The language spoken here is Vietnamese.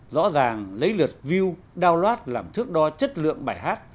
rõ ràng lấy lượt view download làm thước đo chất lượng bài hát